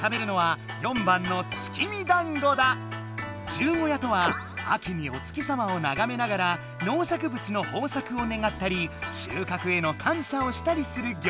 十五夜とは秋にお月様をながめながら農作物の豊作を願ったり収かくへの感謝をしたりするぎょうじのこと。